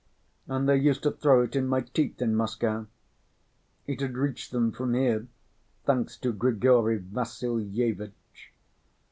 And they used to throw it in my teeth in Moscow. It had reached them from here, thanks to Grigory Vassilyevitch.